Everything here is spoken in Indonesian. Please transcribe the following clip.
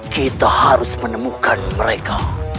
kita harus menemukan mereka